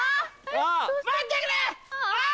おい！